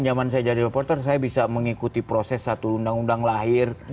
zaman saya jadi reporter saya bisa mengikuti proses satu undang undang lahir